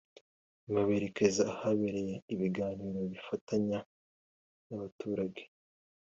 nyuma berekeza ahaberaga ibiganiro bifatanya n’abaturage